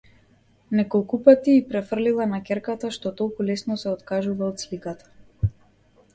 Неколупати ѝ префрлила на ќерката што толку лесно се откажува од сликата.